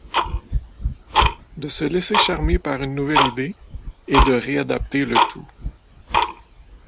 De se laisser charmer par une nouvelle idée, et de réadapter le tout…